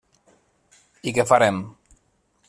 I què farem?